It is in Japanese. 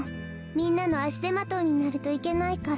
みんなのあしでまといになるといけないから。